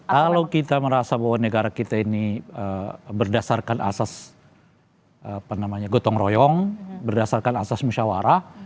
kalau kita merasa bahwa negara kita ini berdasarkan asas gotong royong berdasarkan asas musyawarah